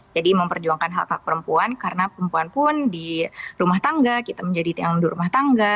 jadi memperjuangkan hak hak perempuan karena perempuan pun di rumah tangga kita menjadi yang di rumah tangga